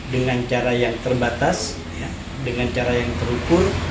dengan cara yang terbatas dengan cara yang terukur